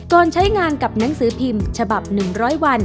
ใช้งานกับหนังสือพิมพ์ฉบับ๑๐๐วัน